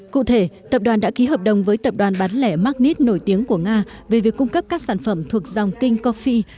cụ thể tập đoàn đã ký hợp đồng với tập đoàn bán lẻ magnet nổi tiếng của nga về việc cung cấp các sản phẩm thuộc dòng kinh coffie